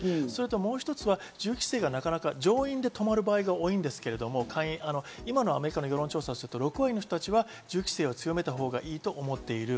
もう一つは銃規制がなかなか上院で止まる場合が多いんですけど、今のアメリカの世論調査をすると６割の人は銃規制を強めたほうがいいと思っている。